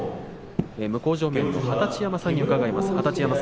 向正面の二十山さんに伺います。